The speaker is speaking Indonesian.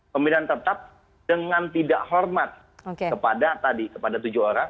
pemilihan tetap dengan tidak hormat kepada tadi kepada tujuh orang